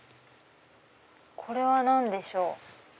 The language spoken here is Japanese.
これは何でしょう？